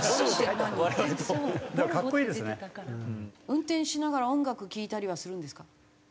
運転しながら音楽聴いたりはするんですか？